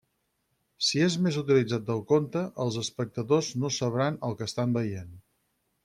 Si és més utilitzat del compte, els espectadors no sabran el que estan veient.